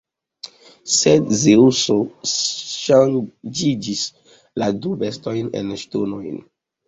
Sed Zeŭso ŝanĝiĝis la du bestojn en ŝtonojn.